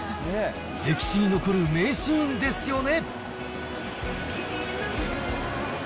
歴史に残る名シーンですよね。